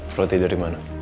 protein dari mana